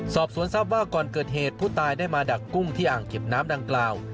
สอบสวนทรัพย์ว่าก่อนเกิดเหตุผู้ตายได้มาดักกุ้งที่อ่างเก็บน้ำดังกล่าว